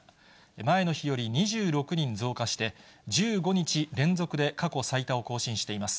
前の日より２６人増加して、１５日連続で過去最多を更新しています。